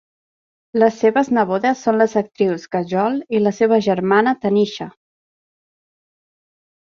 Les seves nebodes son les actrius Kajol i la seva germana Tanisha.